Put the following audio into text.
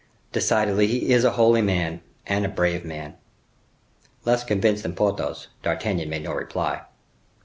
Decidedly, he is a holy man, and a brave man." Less convinced than Porthos, D'Artagnan made no reply.